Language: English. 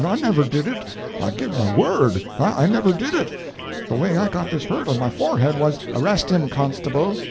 I never did it; I give my word I never did it. The way I got this hurt on my forehead was " "Arrest him, constable!"